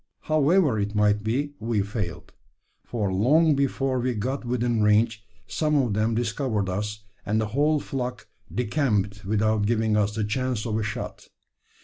However it might be, we failed; for long before we got within range, some of them discovered us, and the whole flock decamped without giving us the chance of a shot.